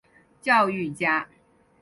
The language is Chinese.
教育家。